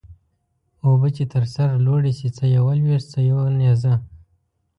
اوبه چې تر سر لوړي سي څه يوه لويشت څه يو نيزه.